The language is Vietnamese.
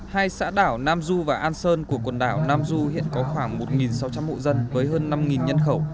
hai xã đảo nam du và an sơn của quần đảo nam du hiện có khoảng một sáu trăm linh hộ dân với hơn năm nhân khẩu